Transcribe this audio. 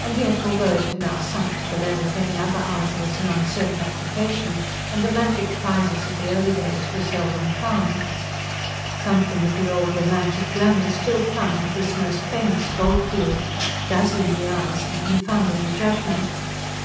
And yet, although it had now sunk to the level of any other arduous and uncertain occupation, and the magic prizes of the early days were seldom found, something of the old, romantic glamour still clung to this most famous gold field, dazzling the eyes and confounding the judgment.